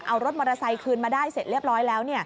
เอารถมอเตอร์ไซค์คืนมาได้เสร็จเรียบร้อยแล้ว